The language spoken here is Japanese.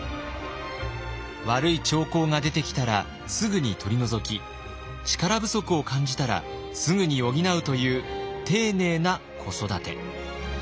悪い兆候が出てきたらすぐに取り除き力不足を感じたらすぐに補うという丁寧な子育て。